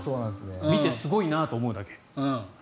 見てすごいなと思うだけ。